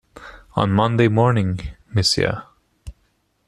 On Monday morning, monsieur.